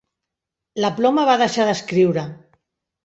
La ploma va deixar d'escriure.